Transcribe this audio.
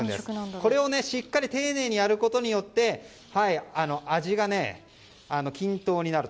これをしっかり丁寧にやることで味が均等になると。